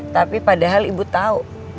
tapi padahal ibu tahu